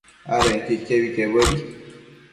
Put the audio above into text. adenquio iquebi quebuedi